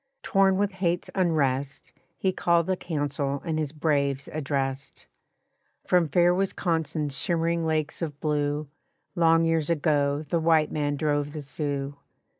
Torn with hate's unrest He called a council and his braves addressed. "From fair Wisconsin's shimmering lakes of blue Long years ago the white man drove the Sioux.